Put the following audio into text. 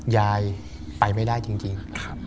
ยายไปไม่ได้จริง